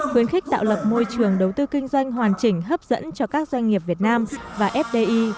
khuyến khích tạo lập môi trường đầu tư kinh doanh hoàn chỉnh hấp dẫn cho các doanh nghiệp việt nam và fdi